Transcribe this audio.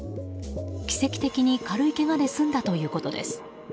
奇跡的に軽いけがで済んだということです。